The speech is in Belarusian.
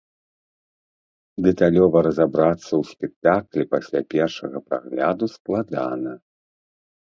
Дэталёва разабрацца ў спектаклі пасля першага прагляду складана.